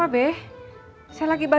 ya udah saya masuk pagi ya